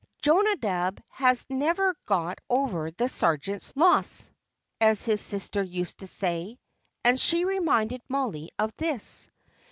"Jonadab has never got over the sergeant's loss," as his sister used to say; and she reminded Mollie of this.